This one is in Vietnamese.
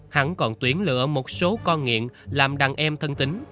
hắn còn tuyển lựa một số con nghiện làm đàn em thân tính